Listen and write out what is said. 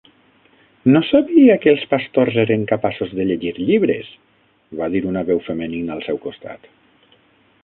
"No sabia que els pastors eren capaços de llegir llibres", va dir una veu femenina al seu costat.